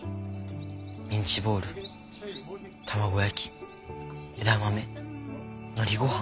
ミンチボール卵焼き枝豆のりごはん。